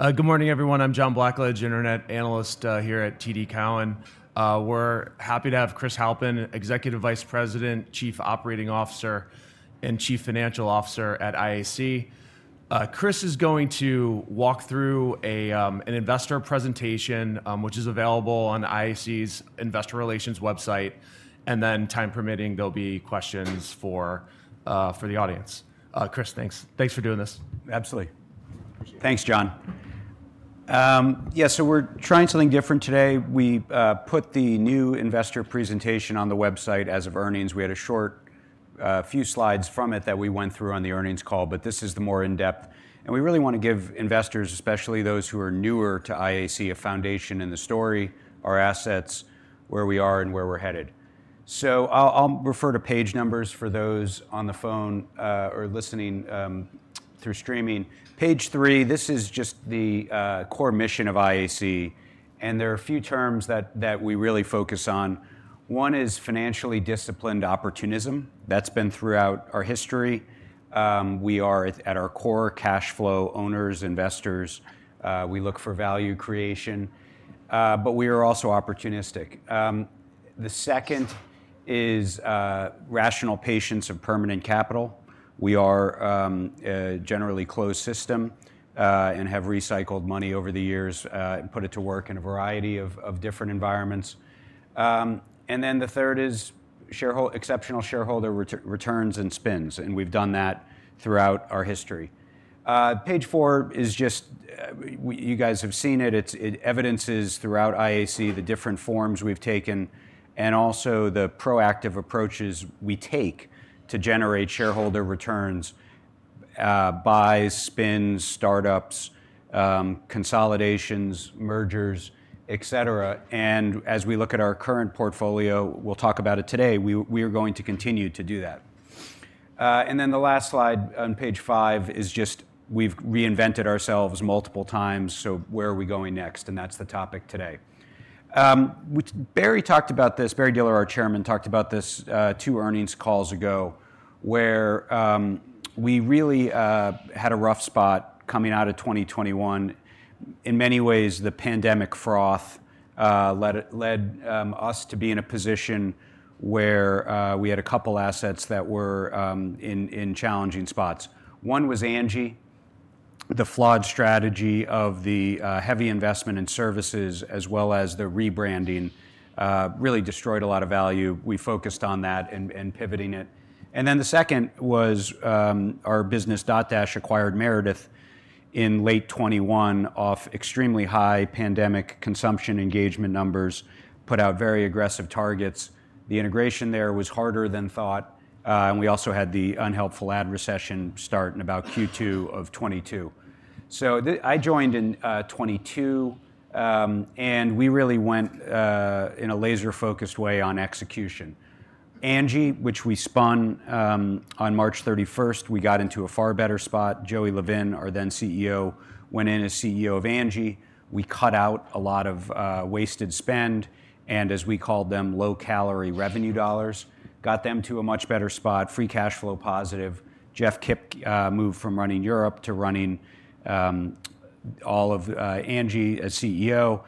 Good morning, everyone. I'm John Blackledge, Internet Analyst here at TD Cowen. We're happy to have Chris Halpin, Executive Vice President, Chief Operating Officer, and Chief Financial Officer at IAC. Chris is going to walk through an investor presentation, which is available on IAC's Investor Relations website. Time permitting, there'll be questions for the audience. Chris, thanks. Thanks for doing this. Absolutely. Thanks, John. Yeah, so we're trying something different today. We put the new investor presentation on the website as of earnings. We had a short few slides from it that we went through on the earnings call, but this is the more in-depth. We really want to give investors, especially those who are newer to IAC, a foundation in the story, our assets, where we are, and where we're headed. I'll refer to page numbers for those on the phone or listening through streaming. Page three, this is just the core mission of IAC. There are a few terms that we really focus on. One is financially disciplined opportunism. That's been throughout our history. We are at our core, cash flow, owners, investors. We look for value creation. We are also opportunistic. The second is rational patience of permanent capital. We are generally a closed system and have recycled money over the years and put it to work in a variety of different environments. The third is exceptional shareholder returns and spends. We have done that throughout our history. Page four is just, you guys have seen it. It evidences throughout IAC the different forms we have taken and also the proactive approaches we take to generate shareholder returns, buys, spends, startups, consolidations, mergers, et cetera. As we look at our current portfolio, we will talk about it today. We are going to continue to do that. The last slide on page five is just, we have reinvented ourselves multiple times. Where are we going next? That is the topic today. Barry talked about this. Barry Diller, our Chairman, talked about this two earnings calls ago, where we really had a rough spot coming out of 2021. In many ways, the pandemic froth led us to be in a position where we had a couple of assets that were in challenging spots. One was Angi, the flawed strategy of the heavy investment in services, as well as the rebranding, really destroyed a lot of value. We focused on that and pivoting it. The second was our business, Dotdash, acquired Meredith in late 2021 off extremely high pandemic consumption engagement numbers, put out very aggressive targets. The integration there was harder than thought. We also had the unhelpful ad recession start in about Q2 of 2022. I joined in 2022. We really went in a laser-focused way on execution. Angi, which we spun on March 31, we got into a far better spot. Joey Levin, our then CEO, went in as CEO of Angi. We cut out a lot of wasted spend. As we called them, low-calorie revenue dollars, got them to a much better spot, free cash flow positive. Jeff Kip moved from running Europe to running all of Angi as CEO.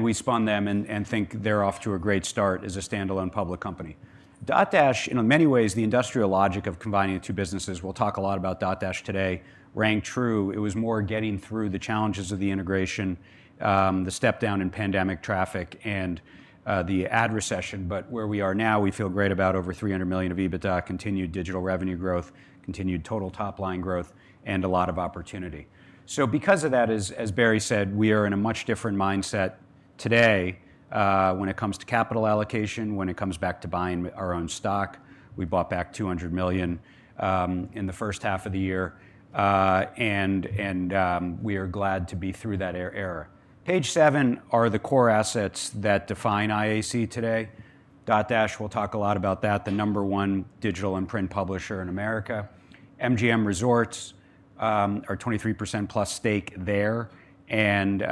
We spun them and think they're off to a great start as a standalone public company. Dotdash, in many ways, the industrial logic of combining the two businesses, we'll talk a lot about Dotdash today, rang true. It was more getting through the challenges of the integration, the step down in pandemic traffic, and the ad recession. Where we are now, we feel great about over $300 million of EBITDA, continued digital revenue growth, continued total top-line growth, and a lot of opportunity. Because of that, as Barry said, we are in a much different mindset today when it comes to capital allocation, when it comes back to buying our own stock. We bought back $200 million in the first half of the year. We are glad to be through that era. Page seven are the core assets that define IAC today. Dotdash, we will talk a lot about that, the number one digital and print publisher in America. MGM Resorts, our 23%+ stake there, and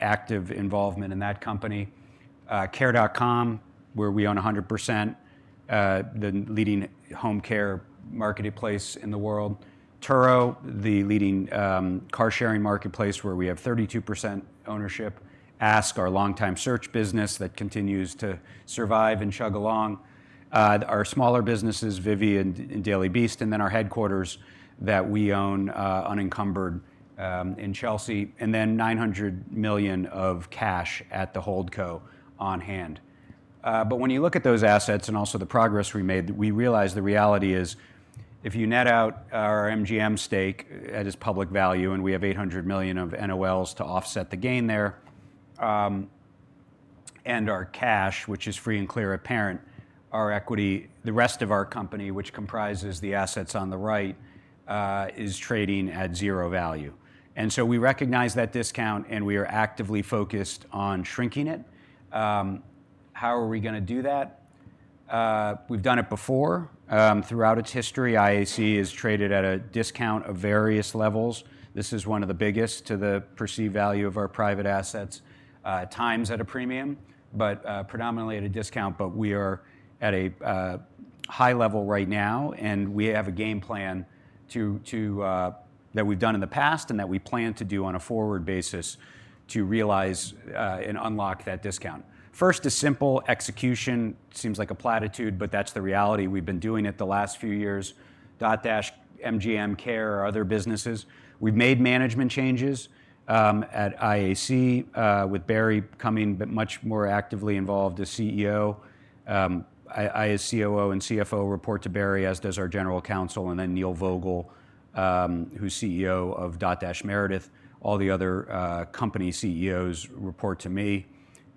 active involvement in that company. Care.com, where we own 100%, the leading home care marketplace in the world. Turo, the leading car-sharing marketplace, where we have 32% ownership. Ask, our long-time search business that continues to survive and chug along. Our smaller businesses, Vivian and Daily Beast, and then our headquarters that we own, unencumbered in Chelsea. There is $900 million of cash at the holdco on hand. When you look at those assets and also the progress we made, we realize the reality is if you net out our MGM stake at its public value, and we have $800 million of NOLs to offset the gain there, and our cash, which is free and clear apparent, our equity, the rest of our company, which comprises the assets on the right, is trading at zero value. We recognize that discount, and we are actively focused on shrinking it. How are we going to do that? We've done it before. Throughout its history, IAC has traded at a discount of various levels. This is one of the biggest to the perceived value of our private assets, times at a premium, but predominantly at a discount. We are at a high level right now. We have a game plan that we have done in the past and that we plan to do on a forward basis to realize and unlock that discount. First, a simple execution seems like a platitude, but that is the reality. We have been doing it the last few years. Dotdash, MGM, Care, other businesses. We have made management changes at IAC with Barry coming much more actively involved as CEO. I as COO and CFO report to Barry, as does our General Counsel. Neil Vogel, who is CEO of Dotdash Meredith. All the other company CEOs report to me.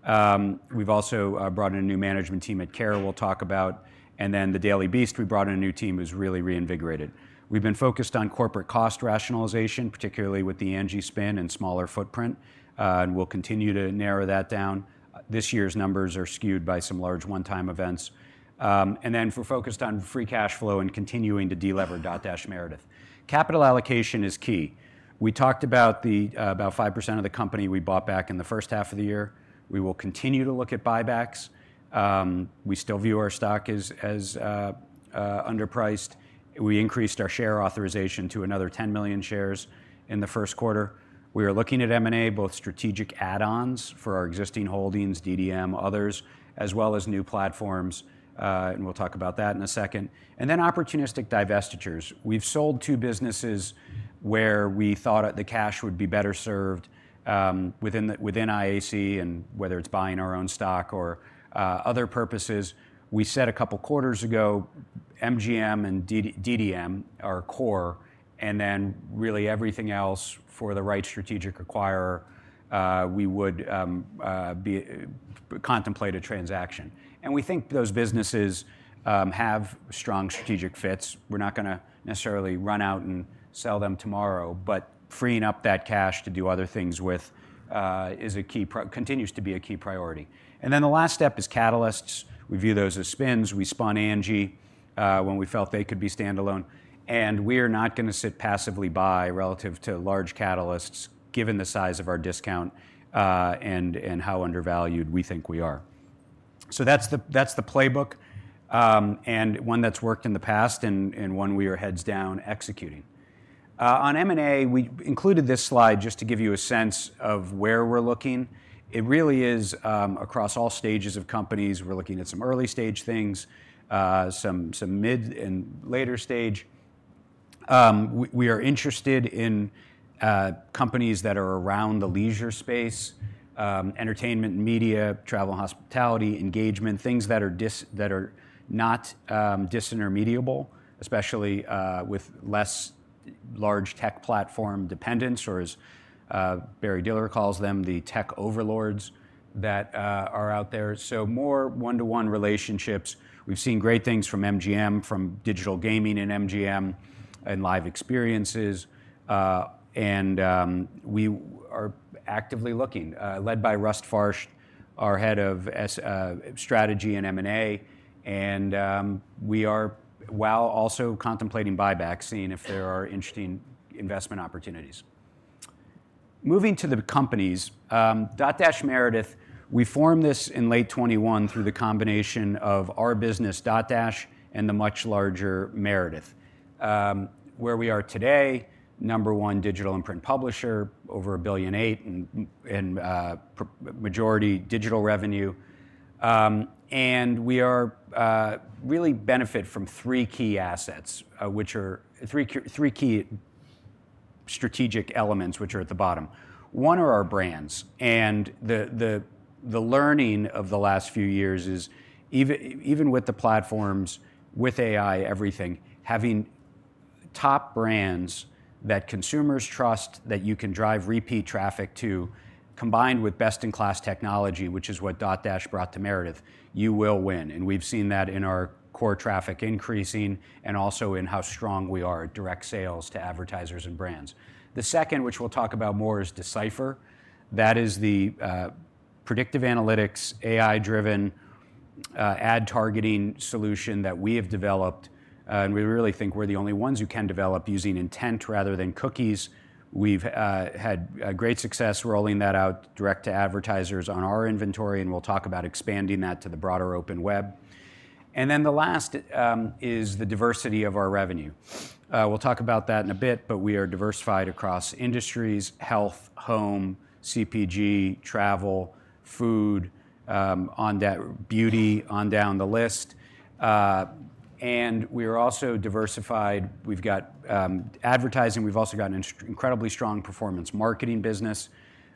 We have also brought in a new management team at Care, we will talk about. The Daily Beast, we brought in a new team who is really reinvigorated. We have been focused on corporate cost rationalization, particularly with the Angi spend and smaller footprint. We will continue to narrow that down. This year's numbers are skewed by some large one-time events. We are focused on free cash flow and continuing to delever Dotdash Meredith. Capital allocation is key. We talked about the about 5% of the company we bought back in the first half of the year. We will continue to look at buybacks. We still view our stock as underpriced. We increased our share authorization to another 10 million shares in the first quarter. We are looking at M&A, both strategic add-ons for our existing holdings, DDM, others, as well as new platforms. We will talk about that in a second. Opportunistic divestitures are also being considered. We have sold two businesses where we thought the cash would be better served within IAC, whether it is buying our own stock or other purposes. We said a couple of quarters ago, MGM and DDM are core. Then really everything else for the right strategic acquirer, we would contemplate a transaction. We think those businesses have strong strategic fits. We're not going to necessarily run out and sell them tomorrow. Freeing up that cash to do other things with is a key, continues to be a key priority. The last step is catalysts. We view those as spends. We spun Angi when we felt they could be standalone. We are not going to sit passively by relative to large catalysts, given the size of our discount and how undervalued we think we are. That's the playbook and one that's worked in the past and one we are heads down executing. On M&A, we included this slide just to give you a sense of where we're looking. It really is across all stages of companies. We're looking at some early-stage things, some mid and later stage. We are interested in companies that are around the leisure space, entertainment, media, travel, hospitality, engagement, things that are not disintermediable, especially with less large tech platform dependence, or as Barry Diller calls them, the tech overlords that are out there. More one-to-one relationships. We've seen great things from MGM, from digital gaming in MGM, and live experiences. We are actively looking, led by Russel Farscht, our Head of Strategy in M&A. We are, while also contemplating buybacks, seeing if there are interesting investment opportunities. Moving to the companies, Dotdash Meredith, we formed this in late 2021 through the combination of our business, Dotdash, and the much larger Meredith, where we are today, number one digital and print publisher, over $1.8 billion, and majority digital revenue. We really benefit from three key assets, which are three key strategic elements, which are at the bottom. One are our brands. The learning of the last few years is even with the platforms, with AI, everything, having top brands that consumers trust, that you can drive repeat traffic to, combined with best-in-class technology, which is what Dotdash brought to Meredith, you will win. We have seen that in our core traffic increasing and also in how strong we are at direct sales to advertisers and brands. The second, which we will talk about more, is D/Cipher. That is the predictive analytics, AI-driven ad targeting solution that we have developed. We really think we are the only ones who can develop using intent rather than cookies. We have had great success rolling that out direct to advertisers on our inventory. We'll talk about expanding that to the broader open web. The last is the diversity of our revenue. We'll talk about that in a bit. We are diversified across industries, health, home, CPG, travel, food, beauty, on down the list. We are also diversified. We've got advertising. We've also got an incredibly strong performance marketing business,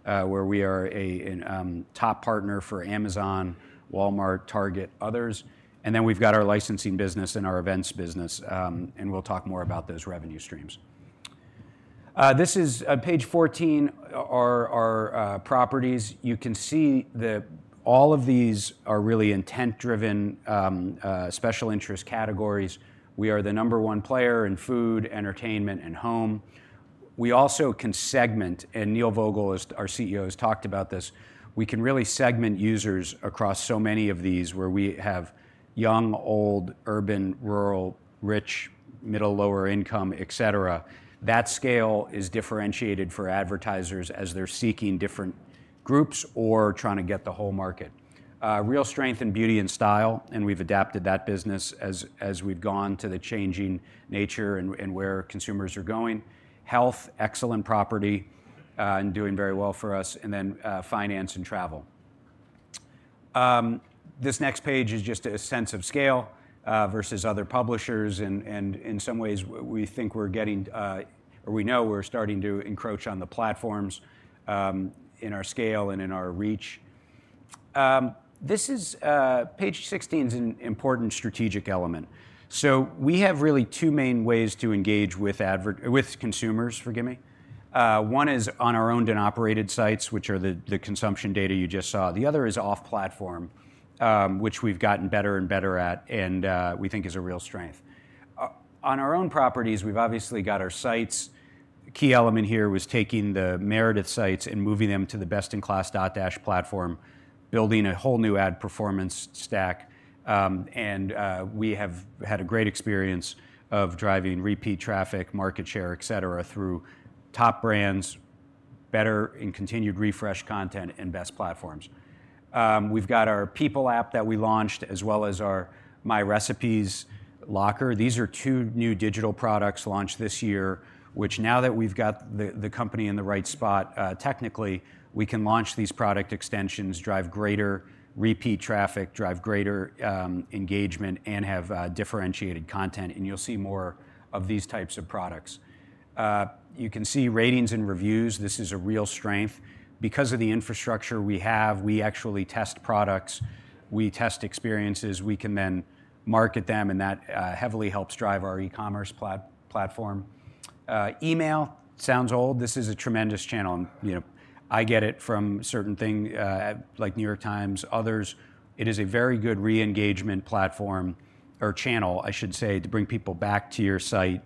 where we are a top partner for Amazon, Walmart, Target, others. We've got our licensing business and our events business. We'll talk more about those revenue streams. This is page 14, our properties. You can see that all of these are really intent-driven, special interest categories. We are the number one player in food, entertainment, and home. We also can segment, and Neil Vogel, our CEO, has talked about this. We can really segment users across so many of these, where we have young, old, urban, rural, rich, middle, lower income, et cetera. That scale is differentiated for advertisers as they're seeking different groups or trying to get the whole market. Real strength and beauty and style. We have adapted that business as we have gone to the changing nature and where consumers are going. Health, excellent property, and doing very well for us. Finance and travel. This next page is just a sense of scale versus other publishers. In some ways, we think we're getting, or we know we're starting to encroach on the platforms in our scale and in our reach. This is page 16, an important strategic element. We have really two main ways to engage with consumers, forgive me. One is on our owned and operated sites, which are the consumption data you just saw. The other is off-platform, which we've gotten better and better at and we think is a real strength. On our own properties, we've obviously got our sites. Key element here was taking the Meredith sites and moving them to the best-in-class Dotdash platform, building a whole new ad performance stack. We have had a great experience of driving repeat traffic, market share, et cetera, through top brands, better and continued refresh content, and best platforms. We've got our PEOPLE app that we launched, as well as our MyRecipes locker. These are two new digital products launched this year, which now that we've got the company in the right spot, technically, we can launch these product extensions, drive greater repeat traffic, drive greater engagement, and have differentiated content. You will see more of these types of products. You can see ratings and reviews. This is a real strength. Because of the infrastructure we have, we actually test products. We test experiences. We can then market them. That heavily helps drive our e-commerce platform. Email sounds old. This is a tremendous channel. I get it from certain things like New York Times, others. It is a very good re-engagement platform or channel, I should say, to bring people back to your site.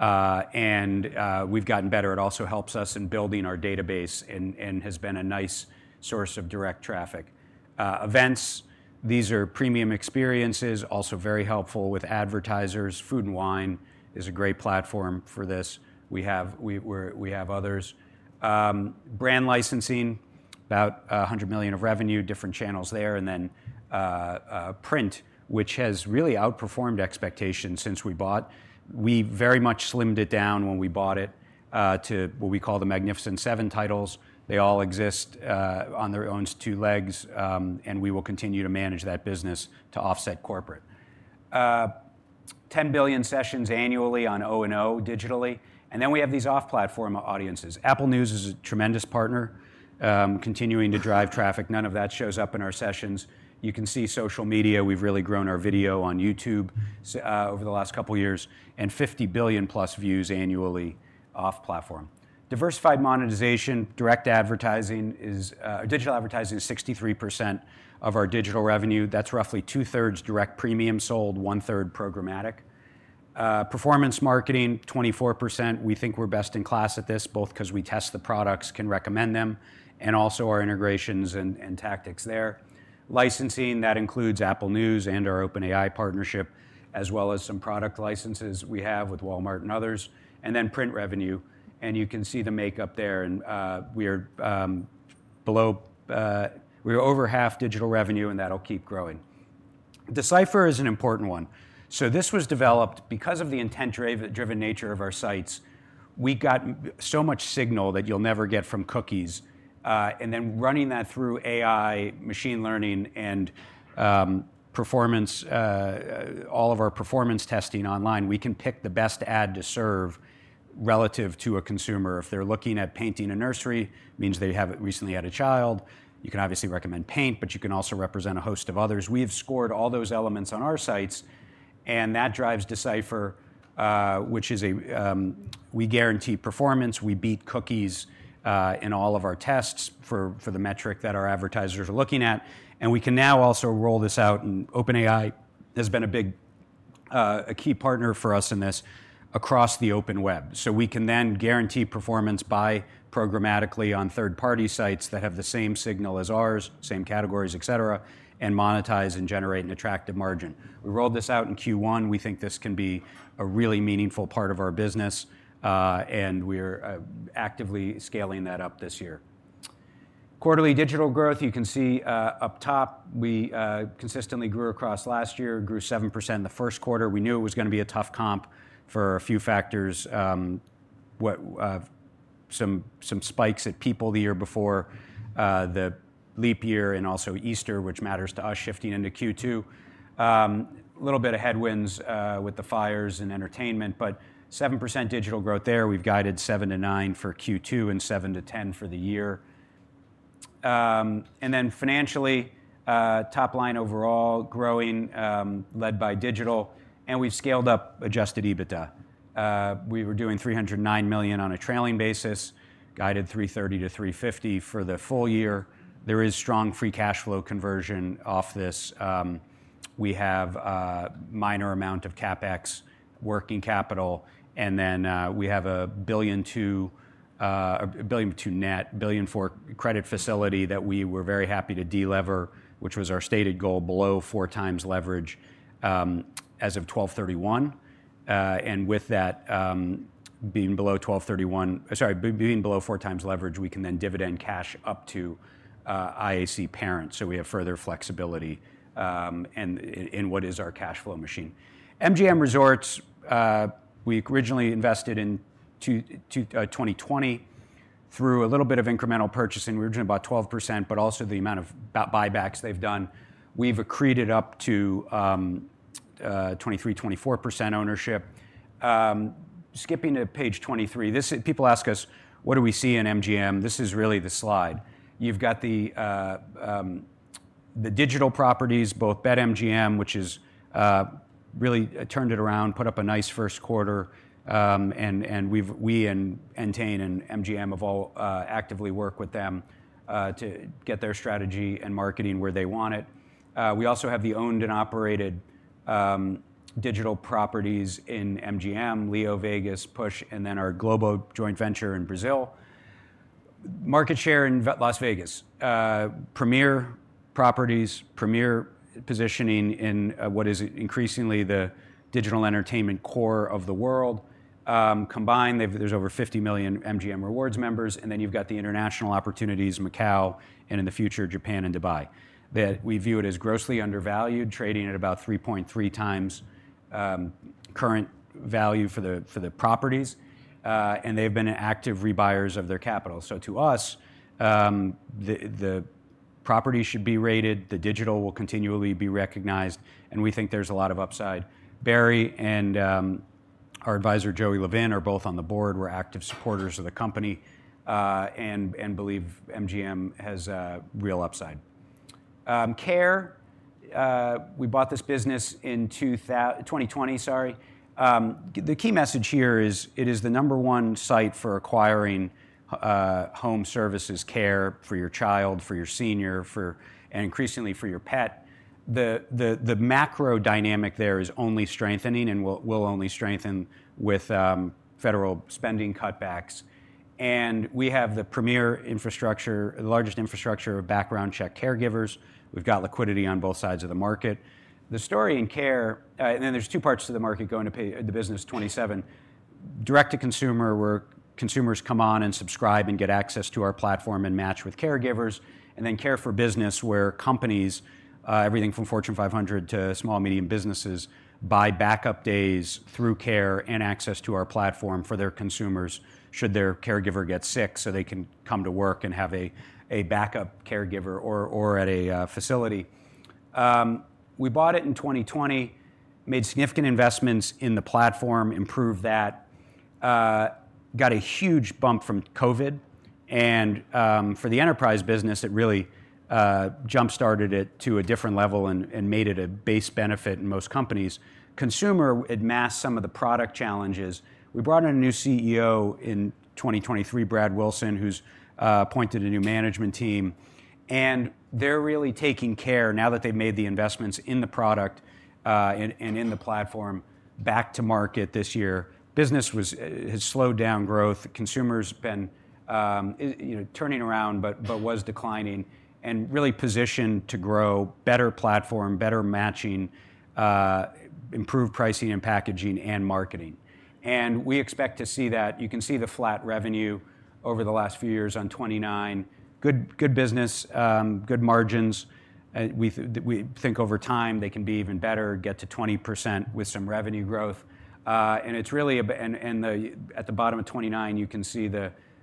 We have gotten better. It also helps us in building our database and has been a nice source of direct traffic. Events, these are premium experiences, also very helpful with advertisers. Food & Wine is a great platform for this. We have others. Brand licensing, about $100 million of revenue, different channels there. Then print, which has really outperformed expectations since we bought. We very much slimmed it down when we bought it to what we call the Magnificent Seven titles. They all exist on their own two legs. We will continue to manage that business to offset corporate. 10 billion sessions annually on O&O digitally. We have these off-platform audiences. Apple News is a tremendous partner, continuing to drive traffic. None of that shows up in our sessions. You can see social media. We have really grown our video on YouTube over the last couple of years. 50+ billion views annually off-platform. Diversified monetization, direct advertising is digital advertising is 63% of our digital revenue. That is roughly 2/3 direct premium sold,1/3 programmatic. Performance marketing, 24%. We think we are best in class at this, both because we test the products, can recommend them, and also our integrations and tactics there. Licensing, that includes Apple News and our OpenAI partnership, as well as some product licenses we have with Walmart and others. Print revenue. You can see the makeup there. We are over half digital revenue, and that'll keep growing. Decipher is an important one. This was developed because of the intent-driven nature of our sites. We got so much signal that you'll never get from cookies. Running that through AI, machine learning, and all of our performance testing online, we can pick the best ad to serve relative to a consumer. If they're looking at painting a nursery, it means they have recently had a child. You can obviously recommend paint, but you can also represent a host of others. We have scored all those elements on our sites. That drives D/Cipher, which is a we guarantee performance. We beat cookies in all of our tests for the metric that our advertisers are looking at. We can now also roll this out. OpenAI has been a key partner for us in this across the open web. We can then guarantee performance by programmatically on third-party sites that have the same signal as ours, same categories, et cetera, and monetize and generate an attractive margin. We rolled this out in Q1. We think this can be a really meaningful part of our business. We are actively scaling that up this year. Quarterly digital growth, you can see up top, we consistently grew across last year, grew 7% in the first quarter. We knew it was going to be a tough comp for a few factors, some spikes at People the year before, the leap year, and also Easter, which matters to us shifting into Q2. A little bit of headwinds with the fires and entertainment, but 7% digital growth there. We've guided 7%-9% for Q2 and 7%-10% for the year. Financially, top line overall growing, led by digital. We've scaled up adjusted EBITDA. We were doing $309 million on a trailing basis, guided $330 million-$350 million for the full year. There is strong free cash flow conversion off this. We have a minor amount of CapEx, working capital. We have a $1.2 billion net, $1.4 billion credit facility that we were very happy to delever, which was our stated goal, below 4x leverage as of 12/31. With that, being below 12/31, sorry, being below 4x leverage, we can then dividend cash up to IAC parent. We have further flexibility in what is our cash flow machine. MGM Resorts, we originally invested in 2020 through a little bit of incremental purchasing. We were doing about 12%, but also the amount of buybacks they've done. We've accreted up to 23%`-24% ownership. Skipping to page 23, people ask us, what do we see in MGM? This is really the slide. You've got the digital properties, both BetMGM, which has really turned it around, put up a nice first quarter. We and Entain and MGM have all actively worked with them to get their strategy and marketing where they want it. We also have the owned and operated digital properties in MGM, LeoVegas, Push, and then our global joint venture in Brazil. Market share in Las Vegas, premier properties, premier positioning in what is increasingly the digital entertainment core of the world. Combined, there's over 50 million MGM Rewards members. You have the international opportunities, Macau, and in the future, Japan and Dubai. We view it as grossly undervalued, trading at about 3.3x current value for the properties. They have been active rebuyers of their capital. To us, the property should be rated. The digital will continually be recognized. We think there is a lot of upside. Barry and our advisor, Joey Levin, are both on the board. We are active supporters of the company and believe MGM has real upside. Care, we bought this business in 2020, sorry. The key message here is it is the number one site for acquiring home services, care for your child, for your senior, and increasingly for your pet. The macro dynamic there is only strengthening and will only strengthen with federal spending cutbacks. We have the premier infrastructure, the largest infrastructure of background check caregivers. We've got liquidity on both sides of the market. The story in Care, and then there's two parts to the market going to the business, 27. Direct to consumer, where consumers come on and subscribe and get access to our platform and match with caregivers. And then care for business, where companies, everything from Fortune 500 to small, medium businesses, buy backup days through Care and access to our platform for their consumers should their caregiver get sick so they can come to work and have a backup caregiver or at a facility. We bought it in 2020, made significant investments in the platform, improved that, got a huge bump from COVID. For the enterprise business, it really jump-started it to a different level and made it a base benefit in most companies. Consumer had masked some of the product challenges. We brought in a new CEO in 2023, Brad Wilson, who's appointed a new management team. They're really taking Care, now that they've made the investments in the product and in the platform, back to market this year. Business has slowed down growth. Consumers have been turning around, but was declining, and really positioned to grow better platform, better matching, improved pricing and packaging, and marketing. We expect to see that. You can see the flat revenue over the last few years on 29. Good business, good margins. We think over time they can be even better, get to 20% with some revenue growth. It's really at the bottom of 29, you can see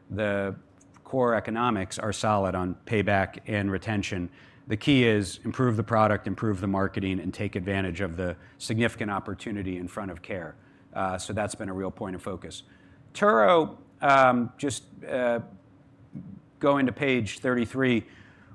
the core economics are solid on payback and retention. The key is improve the product, improve the marketing, and take advantage of the significant opportunity in front of Care. That's been a real point of focus. Turo, just going to page 33,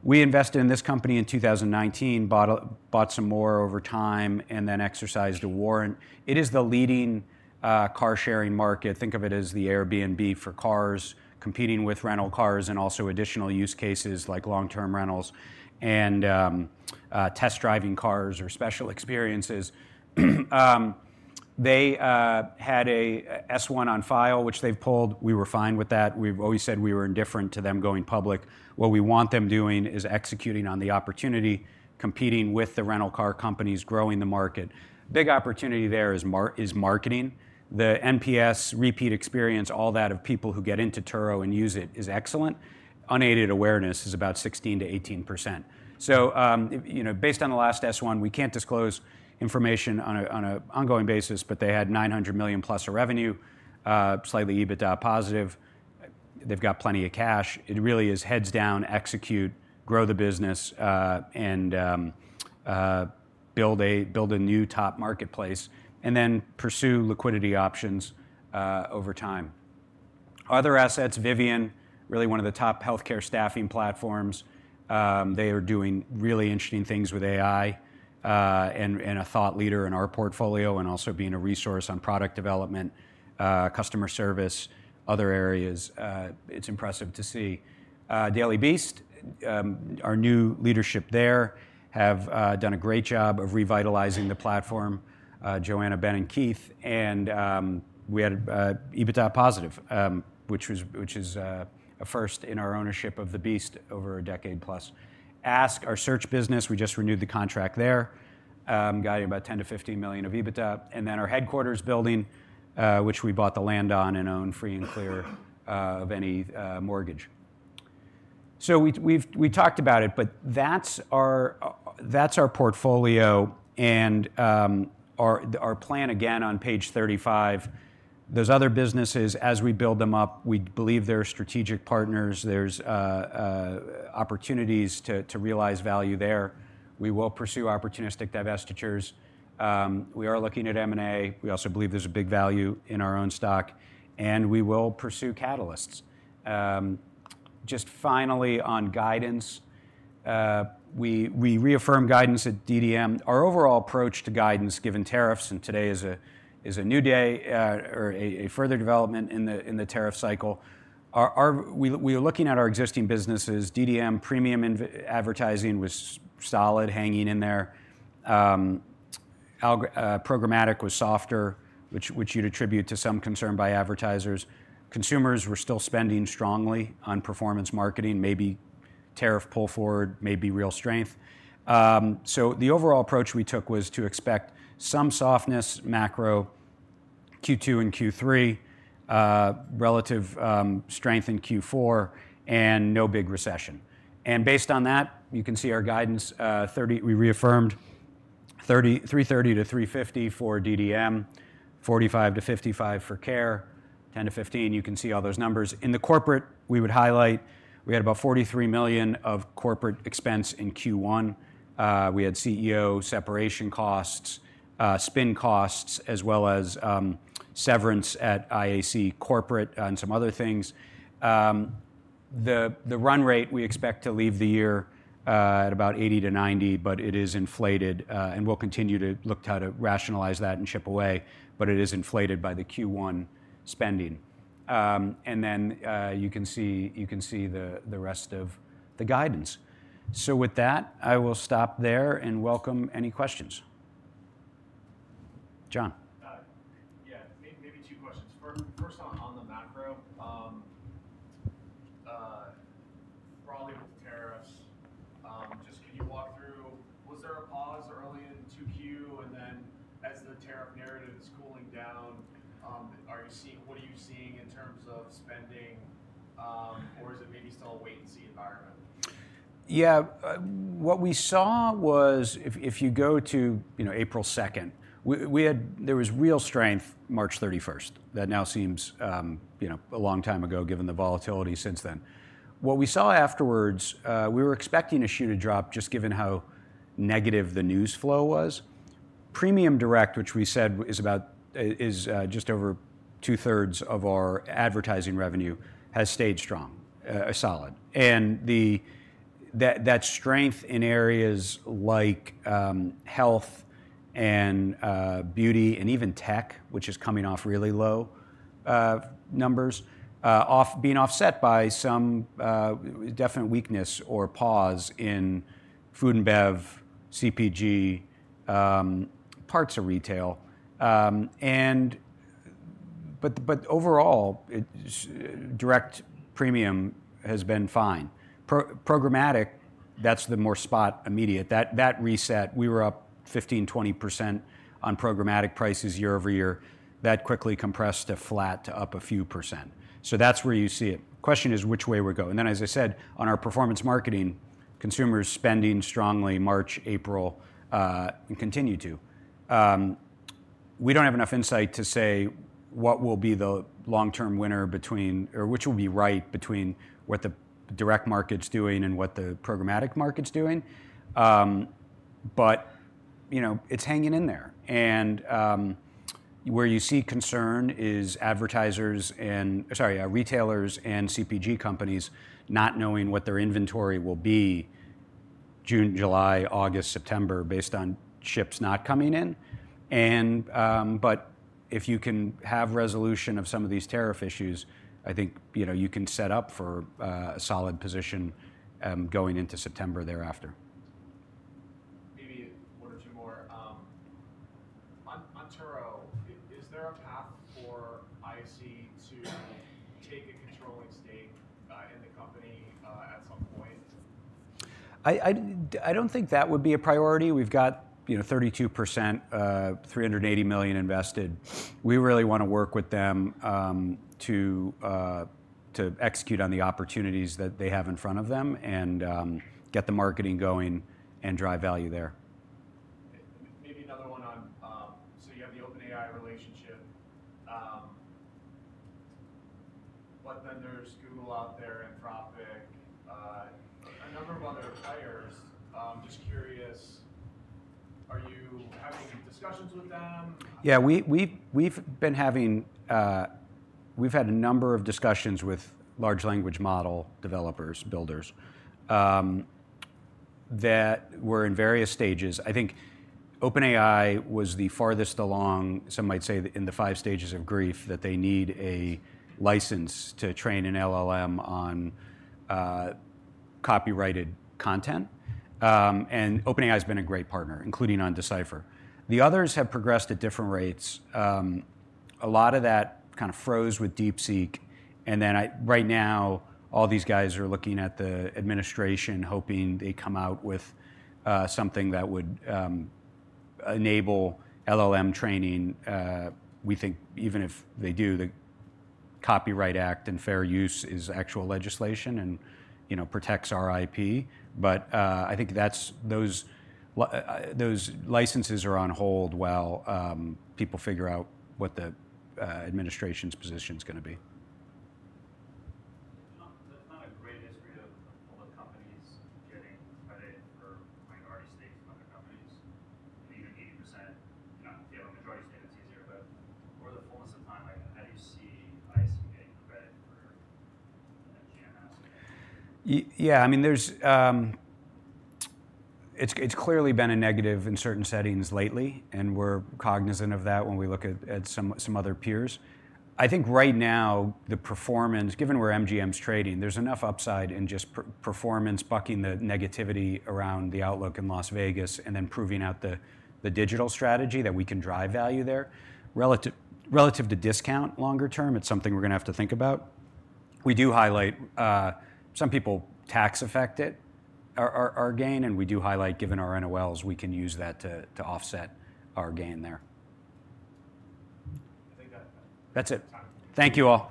we invested in this company in 2019, bought some more over time, and then exercised a warrant. It is the leading car-sharing market. Think of it as the Airbnb for cars, competing with rental cars and also additional use cases like long-term rentals and test-driving cars or special experiences. They had an S1 on file, which they've pulled. We were fine with that. We've always said we were indifferent to them going public. What we want them doing is executing on the opportunity, competing with the rental car companies, growing the market. Big opportunity there is marketing. The NPS, repeat experience, all that of people who get into Turo and use it is excellent. Unaided awareness is about 16%-18%. Based on the last S1, we cannot disclose information on an ongoing basis, but they had $900+ million of revenue, slightly EBITDA positive. They have plenty of cash. It really is heads down, execute, grow the business, and build a new top marketplace, and then pursue liquidity options over time. Other assets, Vivian, really one of the top healthcare staffing platforms. They are doing really interesting things with AI and a thought leader in our portfolio and also being a resource on product development, customer service, other areas. It is impressive to see. Daily Beast, our new leadership there, have done a great job of revitalizing the platform, Joanna, Ben, and Keith. We had EBITDA positive, which is a first in our ownership of the Beast over a decade plus. Ask, our search business, we just renewed the contract there, got about $10 million-$15 million of EBITDA. Our headquarters building, which we bought the land on and own free and clear of any mortgage. We talked about it, but that's our portfolio. Our plan, again, on page 35, those other businesses, as we build them up, we believe they're strategic partners. There's opportunities to realize value there. We will pursue opportunistic divestitures. We are looking at M&A. We also believe there's a big value in our own stock. We will pursue catalysts. Just finally, on guidance, we reaffirm guidance at DDM. Our overall approach to guidance, given tariffs, and today is a new day or a further development in the tariff cycle. We are looking at our existing businesses. DDM, premium advertising was solid, hanging in there. Programmatic was softer, which you'd attribute to some concern by advertisers. Consumers were still spending strongly on performance marketing, maybe tariff pull forward, maybe real strength. The overall approach we took was to expect some softness, macro, Q2 and Q3, relative strength in Q4, and no big recession. Based on that, you can see our guidance. We reaffirmed $330 million-$350 million for DDM, $45 million-$55 million for Care, $10 million-$15 million. You can see all those numbers. In the corporate, we would highlight we had about $43 million of corporate expense in Q1. We had CEO separation costs, spin costs, as well as severance at IAC Corporate and some other things. The run rate, we expect to leave the year at about $80 million-$90 million, but it is inflated. We will continue to look at how to rationalize that and chip away, but it is inflated by the Q1 spending. You can see the rest of the guidance. With that, I will stop there and welcome any questions. John. Yeah, maybe two questions. First, on the macro, probably with the tariffs, just can you walk through, was there a pause early in Q2, and then as the tariff narrative is cooling down, what are you seeing in terms of spending, or is it maybe still a wait-and-see environment? Yeah, what we saw was, if you go to April 2nd, there was real strength March 31st. That now seems a long time ago, given the volatility since then. What we saw afterwards, we were expecting a shoe to drop just given how negative the news flow was. Premium direct, which we said is just over 2/3 of our advertising revenue, has stayed strong, solid. That strength in areas like health and beauty and even tech, which is coming off really low numbers, is being offset by some definite weakness or pause in food and bev, CPG, parts of retail. Overall, direct premium has been fine. Programmatic, that's the more spot immediate. That reset, we were up 15%-20% on programmatic prices year over year. That quickly compressed to flat to up a few percent. That is where you see it. The question is which way we go. As I said, on our performance marketing, consumers spending strongly March, April, and continue to. We do not have enough insight to say what will be the long-term winner between or which will be right between what the direct market is doing and what the programmatic market is doing. It is hanging in there. Where you see concern is advertisers and, sorry, retailers and CPG companies not knowing what their inventory will be June, July, August, September based on ships not coming in. If you can have resolution of some of these tariff issues, I think you can set up for a solid position going into September thereafter. Maybe one or two more. On Turo, is there a path for IAC to take a controlling stake in the company at some point? I do not think that would be a priority. We have 32%, $380 million invested. We really want to work with them to execute on the opportunities that they have in front of them and get the marketing going and drive value there. Maybe another one on, you have the OpenAI relationship, but then there is Google out there, Anthropic, a number of other players. I'm just curious, are you having discussions with them? Yeah, we've had a number of discussions with large language model developers, builders, that we're in various stages. I think OpenAI was the farthest along, some might say in the five stages of grief, that they need a license to train an LLM on copyrighted content. And OpenAI has been a great partner, including on D/Cipher. The others have progressed at different rates. A lot of that kind of froze with DeepSeek. Right now, all these guys are looking at the administration, hoping they come out with something that would enable LLM training. We think even if they do, the Copyright Act and Fair Use is actual legislation and protects our IP. I think those licenses are on hold while people figure out what the administration's position is going to be. That's not a great history of public companies getting credit for minority stakes in other companies. Maybe even 80%. If you have a majority stake, it's easier. Over the fullness of time, how do you see IAC getting credit for MGM? Yeah, I mean, it's clearly been a negative in certain settings lately, and we're cognizant of that when we look at some other peers. I think right now, the performance, given where MGM's trading, there's enough upside in just performance bucking the negativity around the outlook in Las Vegas and then proving out the digital strategy that we can drive value there. Relative to discount longer term, it's something we're going to have to think about. We do highlight some people tax-affect it, our gain, and we do highlight, given our NOLs, we can use that to offset our gain there. I think that. That's it. Thank you all.